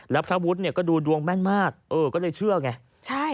แล้วพระอุทธิ์ก็ดูดวงแม่นมากก็เลยเชื่อไง